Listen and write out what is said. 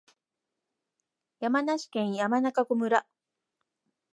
山梨県山中湖村